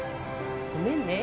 ごめんね。